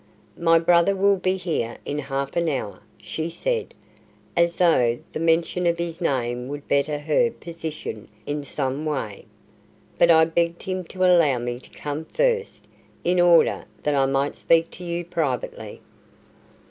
"My brother will be here in half an hour," she said, as though the mention of his name would better her position in some way. "But I begged him to allow me to come first in order that I might speak to you privately."